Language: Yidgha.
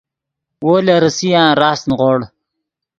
وو لے ریسیان راست نیغوڑ